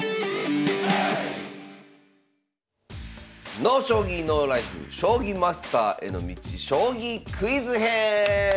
「ＮＯ将棋ＮＯＬＩＦＥ」「将棋マスターへの道将棋クイズ編」！